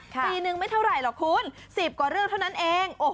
ปีนึงไม่เท่าไหร่หรอกคุณ๑๐กว่าเรื่องเท่านั้นเอง